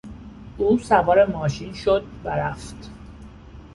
او سوار ماشین شد و رفت.